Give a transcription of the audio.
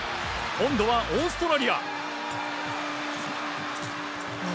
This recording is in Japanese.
今度はオーストラリア。